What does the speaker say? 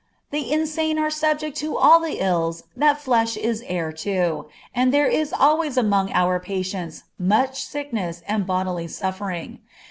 The insane are subject to all the ills that flesh is heir to, and there is always among our patients much sickness and bodily suffering.